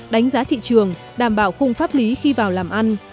đánh giá thị trường đảm bảo khung pháp lý khi vào làm ăn